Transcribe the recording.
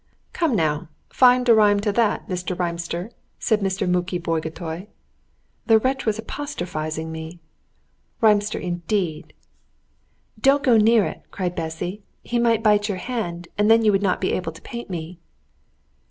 "Come now, find a rhyme to that, Mr. Rhymster!" said Mr. Muki Bagotay. The wretch was apostrophizing me. Rhymster, indeed! "Don't go near it!" cried Bessy; "he might bite your hand, and then you would not be able to paint me."